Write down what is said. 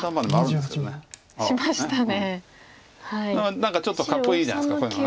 何かちょっとかっこいいじゃないですかこういうのは。